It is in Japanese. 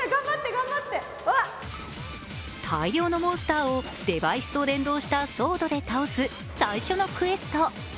大量のモンスターをデバイスと連動したソードで倒す最初のクエスト。